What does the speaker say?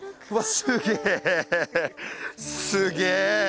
すげえ！